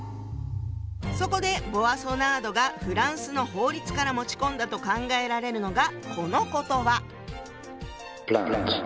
そこでボアソナードがフランスの法律から持ち込んだと考えられるのがこの言葉。